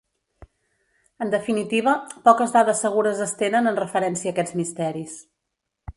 En definitiva, poques dades segures es tenen en referència a aquests misteris.